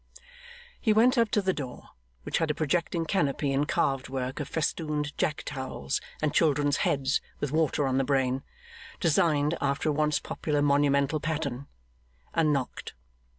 He went up to the door, which had a projecting canopy in carved work of festooned jack towels and children's heads with water on the brain, designed after a once popular monumental pattern, and knocked.